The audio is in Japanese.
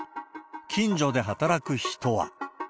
近所で働く人は。